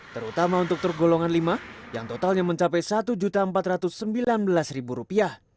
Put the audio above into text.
terutama untuk truk golongan lima yang totalnya mencapai rp satu empat ratus sembilan belas